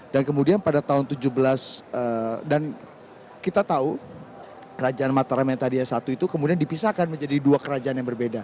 dan kemudian pada tahun tujuh belas dan kita tahu kerajaan mataram yang tadi ya satu itu kemudian dipisahkan menjadi dua kerajaan yang berbeda